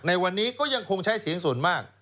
ในวันนี้ก็ยังคงใช้เสียงส่วนมาก